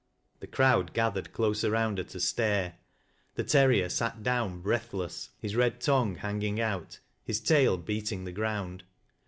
The crowd gathered close around her to stare, the terrier Bat down breathless, his red tongue hanging out, his tail beating the ground.